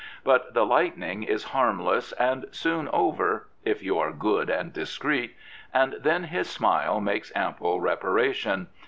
But the lightning is harmless and soon over — if you are good and discreet — and then his smile makes ample reparation.